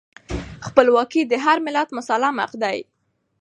خپلواکي د هر ملت مسلم حق دی.